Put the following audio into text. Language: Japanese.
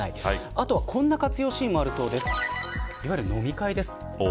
あとはこんな活用シーンもあるそうです。